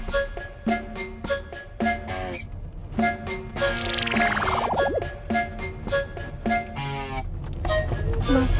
apa yang mau aku lakuin